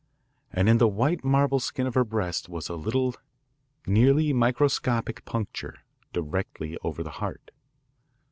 And in the white marble skin of her breast was a little, nearly microscopic puncture, directly over the heart.